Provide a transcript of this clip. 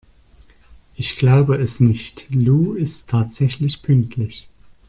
Ich glaube es nicht, Lou ist tatsächlich pünktlich!